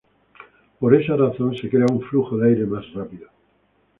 Por esa razón se crea un flujo de aire más rápido.